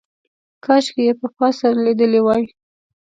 کاشکې یې پخوا سره لیدلي وای.